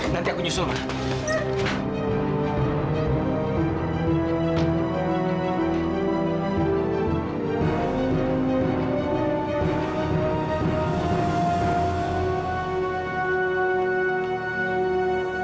nanti aku nyusul mas